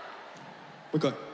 もう一回。